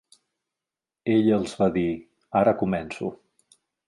Ell els va dir: «Ara començo»